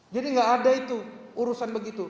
jadi enggak ada itu urusan begitu